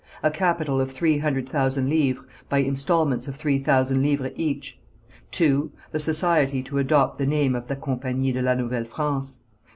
A capital of three hundred thousand livres, by instalments of three thousand livres each. (2.) The society to adopt the name of the Campagnie de la Nouvelle France.